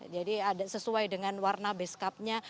jadi ada sesuai dengan warna beskapnya